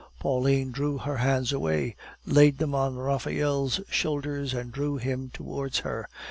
Pauline drew her hands away, laid them on Raphael's shoulders, and drew him towards her.